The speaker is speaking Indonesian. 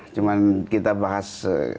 cuma kita bahas